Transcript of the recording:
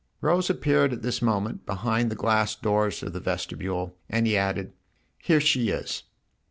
Rose appeared at this moment behind the glass doors of the vestibule, and he added :" Here she is."